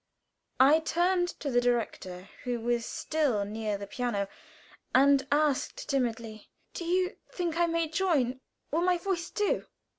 I turned to the direktor, who was still near the piano, and asked timidly: "Do you think I may join? Will my voice do?"